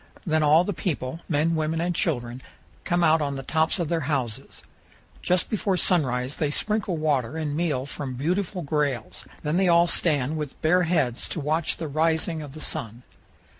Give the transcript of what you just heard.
Then all the people, men, women, and children, come out on the tops of their houses. Just before sunrise they sprinkle water and meal from beautiful grails; then they all stand with bare heads to watch the rising of the sun.